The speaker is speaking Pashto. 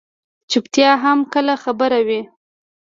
چُپتیا هم کله خبره وي.